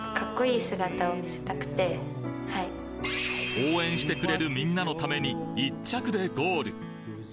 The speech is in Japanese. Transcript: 応援してくれるみんなのために１着でゴール。